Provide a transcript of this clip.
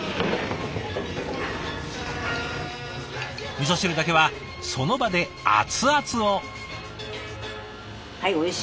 みそ汁だけはその場でアツアツを。